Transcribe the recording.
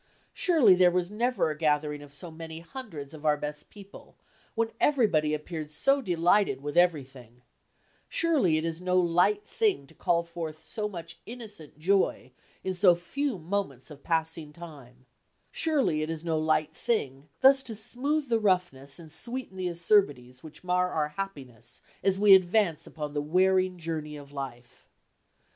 Surely, there never was a gathering of so many hundreds of our best people, when everybody appeared so delighted with everything; surely it is no light thing to call forth so much innocent joy in so few moments of passing time; surely it is no light thing, thus to smooth the roughness and sweeten the acerbities which mar our happiness as we advance upon the wearing journey of life.